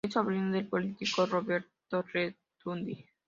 Es sobrino del político Roberto Lertxundi.